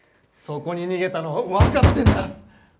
そこに逃げたのはわかってんだ！